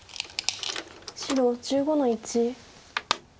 白１５の一。